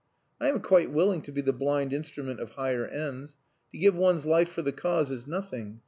"I am quite willing to be the blind instrument of higher ends. To give one's life for the cause is nothing.